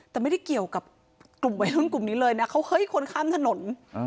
แต่ไม่ได้เกี่ยวกับกลุ่มวัยรุ่นกลุ่มนี้เลยนะเขาเฮ้ยคนข้ามถนน